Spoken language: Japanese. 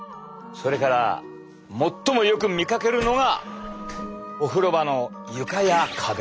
それから最もよく見かけるのがお風呂場の床や壁。